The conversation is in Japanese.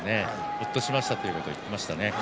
ほっとしましたということを言っていました。